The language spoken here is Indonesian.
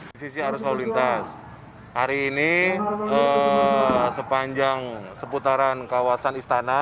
di sisi arus lalu lintas hari ini sepanjang seputaran kawasan istana